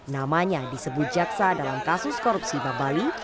namanya disebut jaksa dalam kasus korupsi bank bali